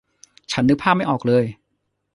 ฉันนึกภาพไม่ออกเลย